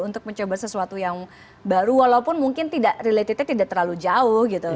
untuk mencoba sesuatu yang baru walaupun mungkin tidak relatednya tidak terlalu jauh gitu